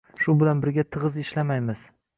Shu bilan birga tig‘iz ishlamaymiz.